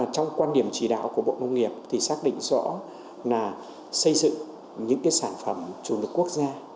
trong quan điểm chỉ đạo của bộ nông nghiệp thì xác định rõ là xây dựng những sản phẩm chủ lực quốc gia